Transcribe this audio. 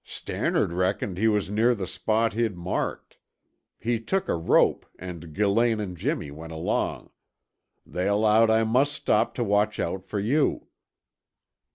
"Stannard reckoned he was near the spot he'd marked. He took a rope, and Gillane and Jimmy went along. They allowed I must stop to watch out for you."